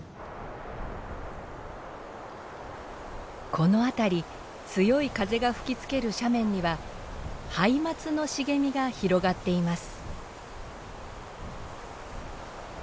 この辺り強い風が吹きつける斜面にはハイマツの茂みが広がっています。